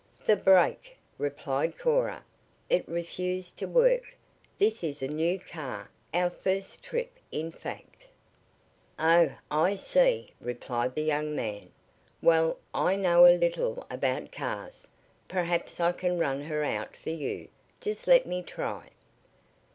"The brake," replied Cora. "It refused to work. This is a new car our first trip, in fact." "Oh, I see," replied the young man. "Well, I know a little about cars. Perhaps I can run her out for you. Just let me try."